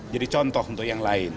jadi contoh untuk yang lain